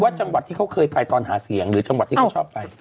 จังหวัดที่เขาเคยไปตอนหาเสียงหรือจังหวัดที่เขาชอบไป